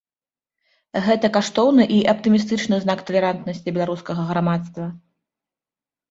Гэта каштоўны і аптымістычны знак талерантнасці беларускага грамадства.